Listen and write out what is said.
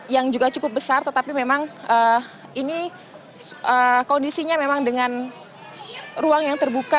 yang juga cukup besar tetapi memang ini kondisinya memang dengan ruang yang terbuka